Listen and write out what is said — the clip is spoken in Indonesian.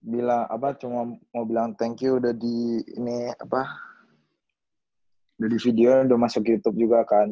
bila apa cuma mau bilang thank you udah di ini apa udah di video udah masuk ke youtube juga kan